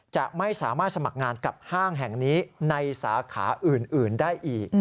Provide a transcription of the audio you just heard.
จะไม่สามารถสมัครงานกับห้างแห่งนี้ในสาขาอื่นได้อีก